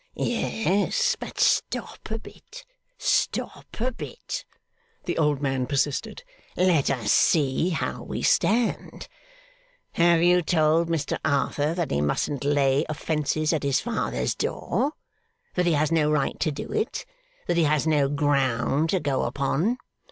'Yes, but stop a bit, stop a bit,' the old man persisted. 'Let us see how we stand. Have you told Mr Arthur that he mustn't lay offences at his father's door? That he has no right to do it? That he has no ground to go upon?